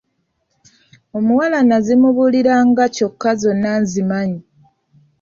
Omuwala n'azimubuulira nga kyokka zonna nzimanyi.